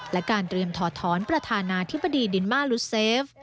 และการเตรียมถอดถอนประธานาธิบดีดินมาลุเซฟ